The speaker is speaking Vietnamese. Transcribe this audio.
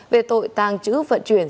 về tội tàng trữ vận chuyển